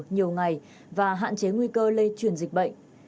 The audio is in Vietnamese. nhiều ngày và hạn chế nguy cơ lây truyền dịch bệnh